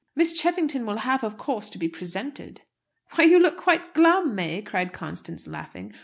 "Miss Cheffington will have, of course, to be presented." "Why, you look quite glum, May!" cried Constance laughing.